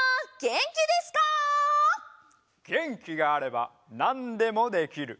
げんきがあればなんでもできる。